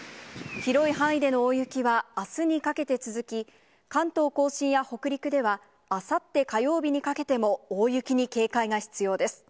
広い範囲での大雪はあすにかけて続き、関東甲信や北陸では、あさって火曜日にかけても大雪に警戒が必要です。